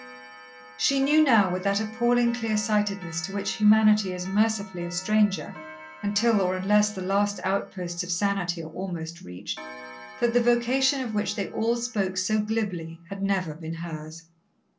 She knew now, with that appalling clear sightedness to which humanity is mercifully a stranger until or unless the last outposts of sanity are almost reached, that the vocation of which they all spoke so glibly had never been hers.